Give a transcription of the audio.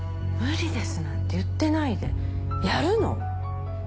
無理ですなんて言ってないでやるの！